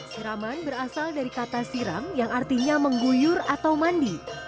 siraman berasal dari kata siram yang artinya mengguyur atau mandi